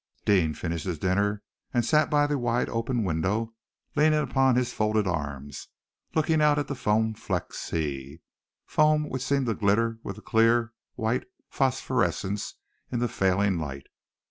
Deane finished his dinner and sat by the wide open window, leaning upon his folded arms, looking out at the foam flecked sea, foam which seemed to glitter with a clear, white phosphorescence in the failing light.